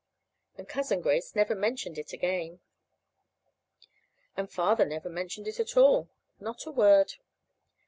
And Cousin Grace never mentioned it again. And Father never mentioned it at all. Not a word.